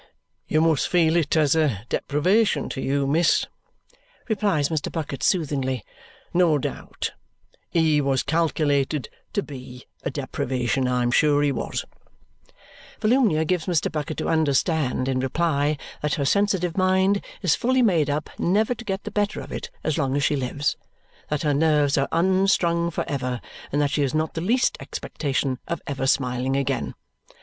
"You must feel it as a deprivation to you, miss," replies Mr. Bucket soothingly, "no doubt. He was calculated to BE a deprivation, I'm sure he was." Volumnia gives Mr. Bucket to understand, in reply, that her sensitive mind is fully made up never to get the better of it as long as she lives, that her nerves are unstrung for ever, and that she has not the least expectation of ever smiling again.